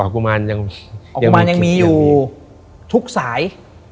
กุมารยังมีอยู่ทุกสาย